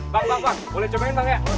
pak pak pak boleh cobain pak ya